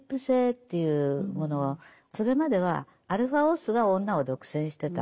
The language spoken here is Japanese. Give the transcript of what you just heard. それまではアルファオスが女を独占してた。